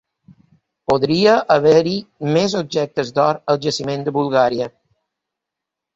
Podria haver-hi més objectes d'or al jaciment de Bulgària